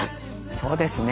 そうですね。